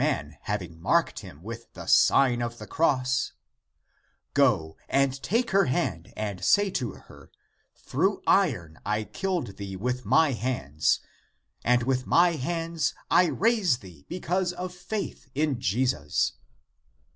ACTS OF THOMAS 273 marked him (with the sign of the cross), " Go and take her hand, and say to her, Through iron I killed thee with my hands, and with my hands I raise thee because of faith in Jesus."